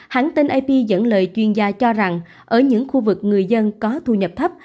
hãng tin ap dẫn lời chuyên gia cho rằng ở những khu vực người dân có thu nhập thấp